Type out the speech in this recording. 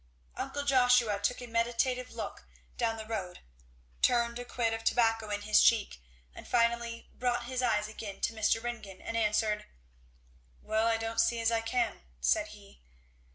Uncle Joshua took a meditative look down the road, turned a quid of tobacco in his cheek, and finally brought his eyes again to Mr. Ringgan and answered. "Well, I don't see as I can," said he.